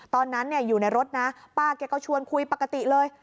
ตอนนั้นอยู่ในรถนะป้าแกก็ชวนคุยปกติเลย